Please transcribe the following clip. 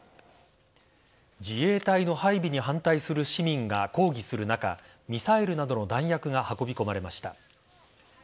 自衛隊の配備に反対する市民が抗議する中ミサイルなどの弾薬が運び込まれました。